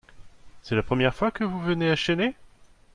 C'est la première fois que vous venez à Chennai ?